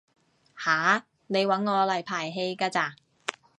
吓？你搵我嚟排戲㗎咋？